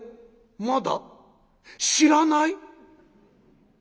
まだ知らない？